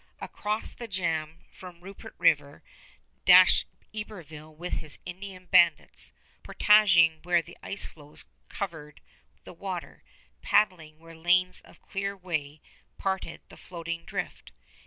Across the jam from Rupert River dashed Iberville with his Indian bandits, portaging where the ice floes covered the water, paddling where lanes of clear way parted the floating drift.